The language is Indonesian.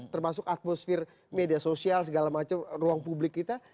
termasuk atmosfer media sosial segala macam ruang publik kita